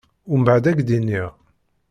Umbɛed ad k-d-iniƔ.